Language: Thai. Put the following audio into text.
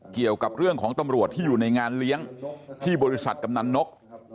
เกี่ยวกับเรื่องของตำรวจที่อยู่ในงานเลี้ยงที่บริษัทกำนันนก